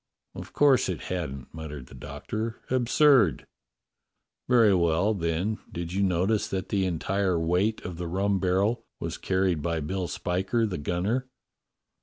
"Of course it hadn't," muttered the Doctor. "Ab surd!" "Very well, then, did you notice that the entire weight of the rum barrel was carried by Bill Spiker, the gunner.